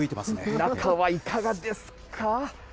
中は、いかがですか。